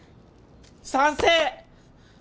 賛成！